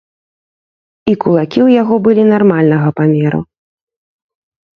І кулакі ў яго былі нармальнага памеру.